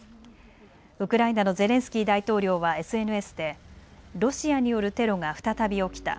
ウクライナのゼレンスキー大統領はＳＮＳでロシアによるテロが再び起きた。